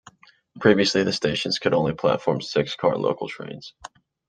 Previously the stations could only platform six-car local trains.